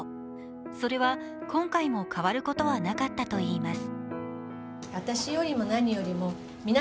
それは今回も変わることはなかったといいます。